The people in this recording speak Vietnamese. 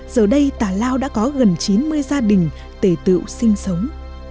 giờ đây tà lao đã có gần chín mươi gia đình tể tựu sinh sống